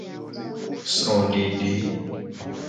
Srodede.